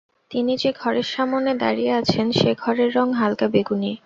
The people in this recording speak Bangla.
তিনি যে ঘরের সামনে দাঁড়িয়ে আছেন সে ঘরের রঙ হালকা বেগুনি।